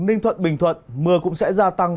ninh thuận bình thuận mưa cũng sẽ gia tăng